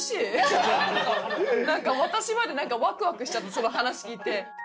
何か私までワクワクしちゃって話聞いて。